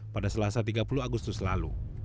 pada selasa tiga puluh agustus lalu